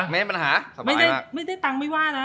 ไม่ได้ตังไม่ว่านะ